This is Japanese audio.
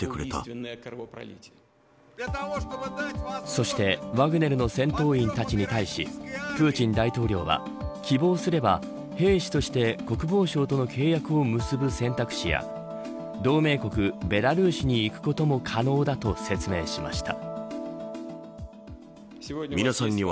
そしてワグネルの戦闘員たちに対しプーチン大統領は希望すれば、兵士として国防省との契約を結ぶ選択肢や同盟国、ベラルーシに行くことも可能だと説明しました。